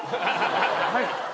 はい。